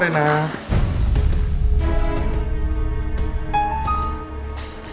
reina beli apa